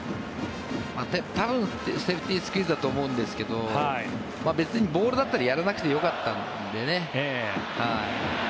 多分セーフティースクイズだと思うんですけど別にボールだったらやらなくてよかったのでね。